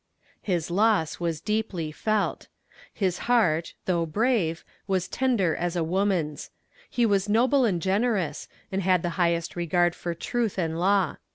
His loss was deeply felt. His heart, though brave, was tender as a woman's. He was noble and generous, and had the highest regard for truth and law.